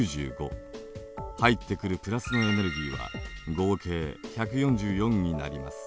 入ってくるプラスのエネルギーは合計１４４になります。